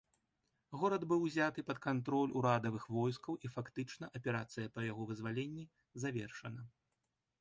Горад быў узяты пад кантроль урадавых войскаў і фактычна аперацыя па яго вызваленні завершана.